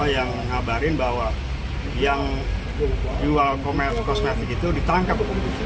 yang mengabarin bahwa yang jual kosmetik itu ditangkap